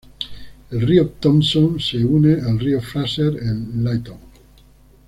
El río Thompson se une al río Fraser en Lytton.